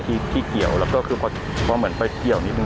ที่เกียวแล้วก็ก็คือเคยวนิดนึง